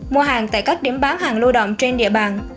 mua hàng tại các điểm bán hàng lưu động trên địa bàn